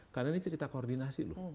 karena ini cerita koordinasi loh